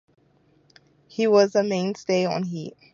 He was a main stay on "Heat".